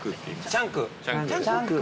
チャン君。